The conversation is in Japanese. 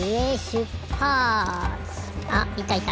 あいたいた。